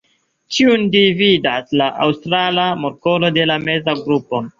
Tiujn dividas la Aŭstra markolo de la meza grupo.